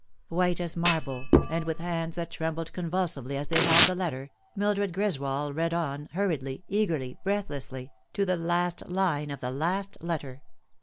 White as marble, and with hands that trembled convulsively as they held the letter, Mildred Greswold read on, hurriedly, eagerly, breathlessly, to the last line of the last letter.